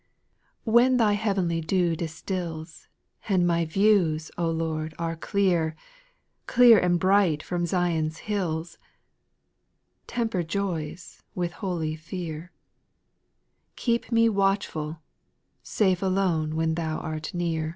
^ 5. WTien Thy heav'nly dew distils. And my views, O Lord, are clear, Clear and bright from Zion's hills, — Temper joys with holy fear, — Keep me watchful, Safe alone when Thou art near.